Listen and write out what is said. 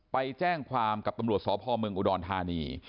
ไปแจ้งความกับตำรวจสพเมืองอุดรธานี